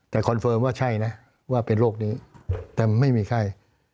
แต่คอนเฟิร์มว่าใช่นะว่าเป็นโรคนี้แต่ไม่มีไข้